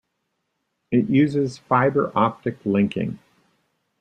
It uses fiber optic linking.